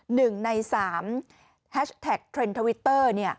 หนึ่งในสามแฮชแท็กเทรนด์ทวิตเตอร์